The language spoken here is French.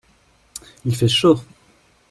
Il fait chaud.